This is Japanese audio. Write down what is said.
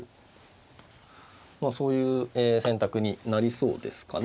まあそういう選択になりそうですかね。